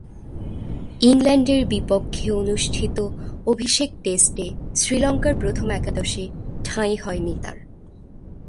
ইংল্যান্ডের বিপক্ষে অনুষ্ঠিত অভিষেক টেস্টে শ্রীলঙ্কার প্রথম একাদশে ঠাঁই হয়নি তার।